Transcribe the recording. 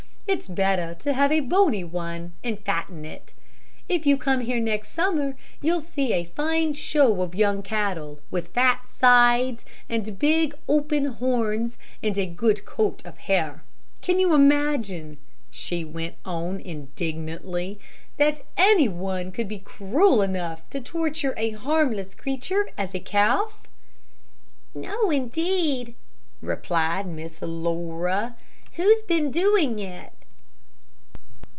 It's better to have a bony one and fatten it. If you come here next summer, you'll see a fine show of young cattle, with fat sides, and big, open horns, and a good coat of hair. Can you imagine," she went on, indignantly, "that any one could be cruel enough to torture such a harmless creature as a calf?" "No, indeed," replied Miss Laura. "Who has been doing it?"